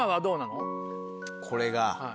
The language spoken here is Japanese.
これが。